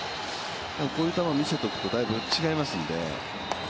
こういう球を見せておくとだいぶ違いますんで。